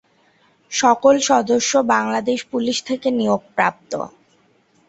সকল সদস্য বাংলাদেশ পুলিশ থেকে নিয়োগপ্রাপ্ত।